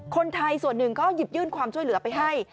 คนไทยส่วนหนึ่งก็หยิบยื่นความช่วยเหลือไปให้